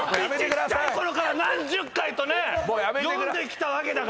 ちっちゃいころから何十回と読んできたわけだから！